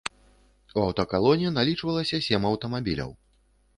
У аўтакалоне налічвалася сем аўтамабіляў.